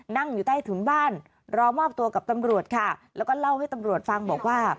นั่งอยู่ใต้ถุนบ้านรอมอบตัวกับตำรวจค่ะแล้วก็เล่าให้ตำรวจฟังบอกว่า